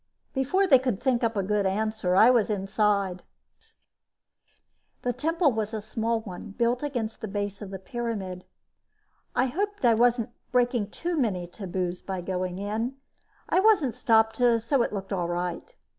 Before they could think up a good answer, I was inside. The temple was a small one built against the base of the pyramid. I hoped I wasn't breaking too many taboos by going in. I wasn't stopped, so it looked all right.